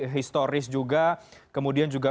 historis juga kemudian juga